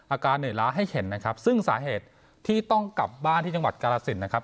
อาการเหนื่อยล้าให้เห็นนะครับซึ่งสาเหตุที่ต้องกลับบ้านที่จังหวัดกาลสินนะครับ